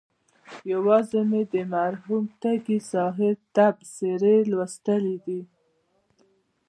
یوازې مې د مرحوم تږي صاحب تبصرې لوستلي دي.